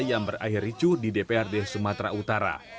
yang berakhir ricu di dprd sumatera utara